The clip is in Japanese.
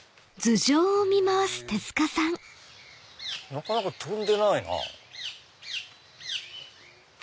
なかなか飛んでないなぁ。